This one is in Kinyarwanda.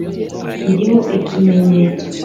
iriho ikimenyetso.